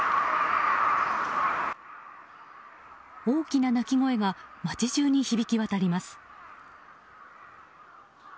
大きな鳴き声が街中に響き渡ります。